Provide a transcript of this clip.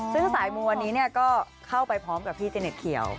ซึ่งสายมูวันนี้ก็เข้าไปพร้อมกับพี่เจเน็ตเขียว